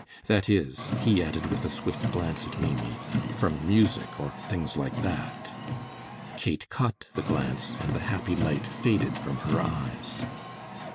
"That is," he added, with a swift glance at Maimie, "from music or things like that." Kate caught the glance, and the happy light faded from her eyes.